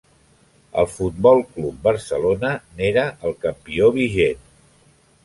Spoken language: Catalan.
El Futbol Club Barcelona n'era el campió vigent.